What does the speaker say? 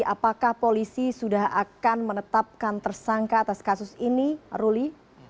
apakah polisi sudah akan menetapkan tersangka atas kasus ini ruli